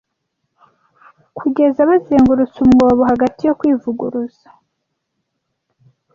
kugeza bazengurutse umwobo hagati yo kwivuguruza ...